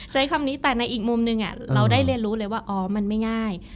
ใช้คำนี้แต่ในอีกมุมหนึ่งเราได้เรียนรู้เลยว่าอ๋อมันไม่ง่าย